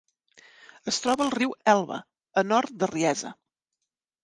Es troba al riu Elba, a nord de Riesa.